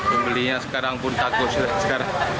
pembelinya sekarang pun takut